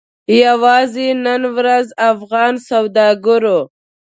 یوازې نن ورځ افغان سوداګرو